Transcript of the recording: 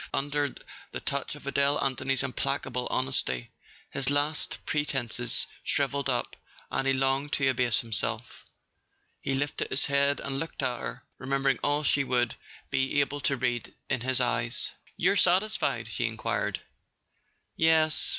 Under the touch of Adele Anthony's implacable honesty his last pretenses shrivelled up, and he longed to abase himself. He lifted his head and looked at her, remembering all she would be able to read in his eyes. [ 213 ] A SON AT THE FRONT "You're satisfied?" she enquired. "Yes.